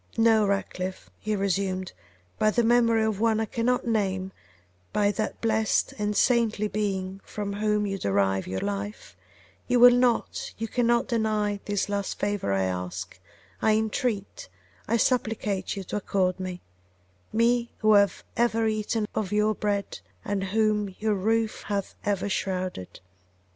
'No, Ratcliffe,' he resumed, 'by the memory of one I cannot name, by that blessed and saintly being from whom you derive your life, you will not, you cannot deny this last favour I ask, I entreat, I supplicate you to accord me: me, who have ever eaten of your bread, and whom your roof hath ever shrouded!